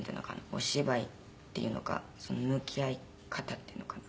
お芝居っていうのか向き合い方っていうのかな。